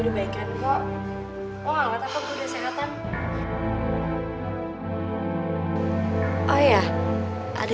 dia adalah kakek bunyet kamu